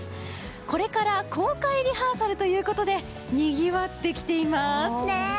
これから公開リハーサルということでにぎわってきています！